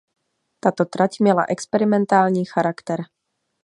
Tato trať měla experimentální charakter.